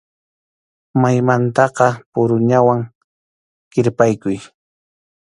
Maqmataqa puruñawan kirpaykuy.